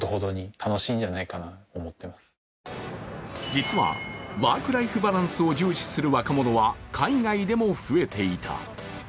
実はワーク・ライフ・バランスを重視する若者は海外でも増えていた。